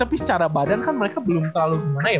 tapi secara badan kan mereka belum terlalu gimana ya